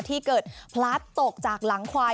ที่เกิดพลัดตกจากหลังควาย